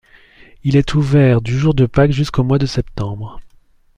Il est ouvert du jour de Pâques jusqu'au mois de septembre.